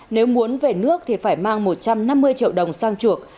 nếu muốn về nước thì phải mang một trăm năm mươi triệu đồng sang chuộc